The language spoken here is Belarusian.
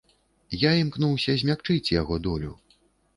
Я імкнуўся змякчыць яго долю.